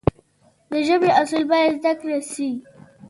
د ژبي اصول باید زده کړل سي.